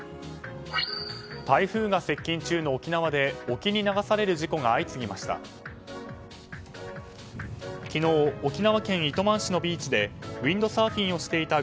台風が接近中の沖縄で沖に流される事故が相次ぎました。